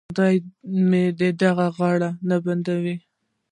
خدای مې دې غاړه نه بندوي.